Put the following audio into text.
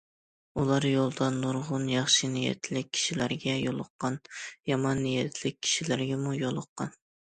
ئۇلار يولدا نۇرغۇن ياخشى نىيەتلىك كىشىلەرگە يولۇققان، يامان نىيەتلىك كىشىلەرگىمۇ يولۇققان.